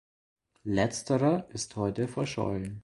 Letzterer ist heute verschollen.